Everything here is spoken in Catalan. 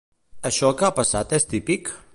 Això que ha passat és típic?